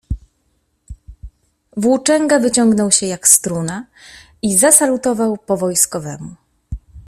"Włóczęga wyciągnął się, jak struna i zasalutował po wojskowemu."